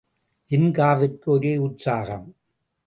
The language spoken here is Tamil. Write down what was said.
ஜின்காவிற்கு ஒரே உற்சாகம்.